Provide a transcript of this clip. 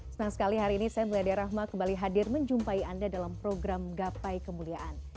senang sekali hari ini saya meladia rahma kembali hadir menjumpai anda dalam program gapai kemuliaan